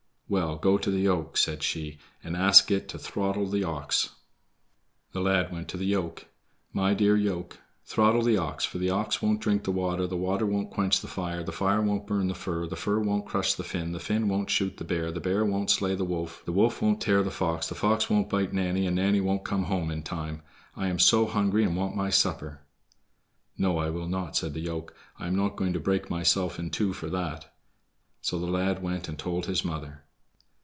"Well, go to the yoke," said she, "and ask it to throttle the ox." The lad went to the yoke. "My dear yoke, throttle the ox, for the ox won't drink the water, the water won't quench the fire, the fire won't burn the fir, the fir won't crush the Finn, the Finn won't shoot the bear, the bear won't slay the wolf, the wolf won't tear the fox, the fox won't bite Nanny, and Nanny won't come home in time. I am so hungry and want my supper." "No, I will not," said the yoke; "I am not going to break myself in two for that." So the lad went and told his mother.